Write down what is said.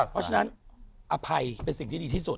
เพราะฉะนั้นอภัยเป็นสิ่งที่ดีที่สุด